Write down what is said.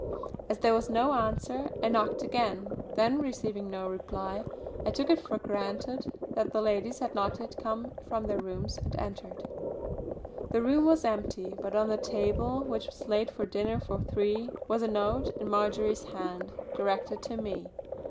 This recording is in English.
As there was no answer I knocked again; then receiving no reply I took it for granted that the ladies had not yet come from their rooms and entered. The room was empty but on the table which was laid for dinner for three was a note in Marjory's hand directed to me.